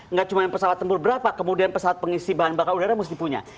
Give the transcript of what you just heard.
nggak cuma pesawat tempur berapa kemudian pesawat pengisi bahan bakar udara mesti punya